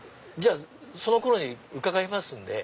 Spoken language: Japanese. その頃に伺いますんで。